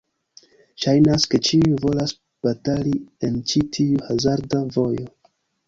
Ŝajnas ke ĉiuj volas batali en ĉi tiu hazarda vojo.